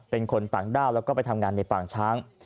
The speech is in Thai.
เป็นคนต่างด้าวแล้วก็ไปทำงานในปางช้าง